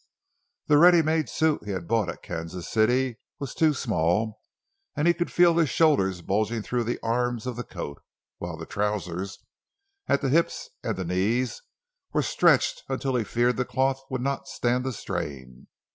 The ready made suit he had bought at Kansas City was too small, and he could feel his shoulders bulging through the arms of the coat, while the trousers—at the hips and the knees—were stretched until he feared the cloth would not stand the strain.